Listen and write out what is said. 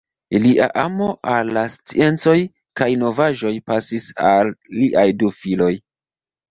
Lia amo al la sciencoj kaj novaĵoj pasis al liaj du filoj.